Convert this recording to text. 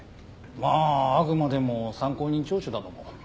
まああくまでも参考人聴取だども。